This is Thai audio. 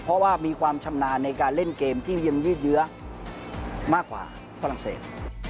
เพราะว่ามีความชำนาญในการเล่นเกมที่ยืดเยื้อมากกว่าฝรั่งเศส